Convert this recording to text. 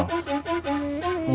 bukan ketinggalan ditinggal